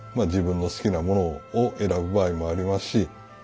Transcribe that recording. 自分の好きなものを選ぶ場合もありますし。